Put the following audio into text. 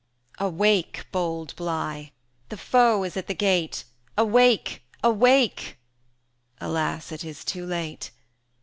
50 III. Awake, bold Bligh! the foe is at the gate! Awake! awake! Alas! it is too late!